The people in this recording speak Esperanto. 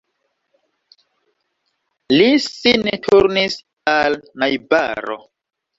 Li sin turnis al najbaro.